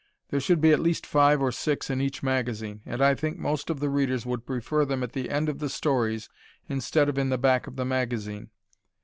There should be at least five or six in each magazine, and I think most of the readers would prefer them at the end of the stories instead of in the back of the magazine.